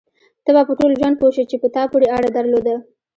ته به په ټول ژوند پوه شې چې په تا پورې اړه درلوده.